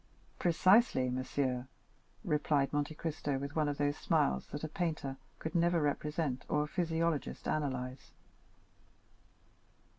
"Precisely, monsieur," replied Monte Cristo with one of those smiles that a painter could never represent or a physiologist analyze.